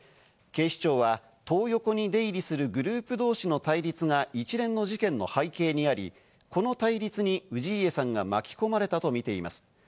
警視庁はトー横に出入りするグループ同士の対立が一連の事件の背景にあり、この対立に氏家さんが巻き込まれたとみています。